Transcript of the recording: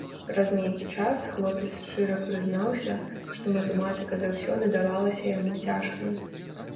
Праз нейкі час хлопец шчыра прызнаўся, што матэматыка заўсёды давалася яму цяжка.